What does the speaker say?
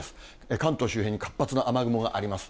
関東周辺に活発な雨雲があります。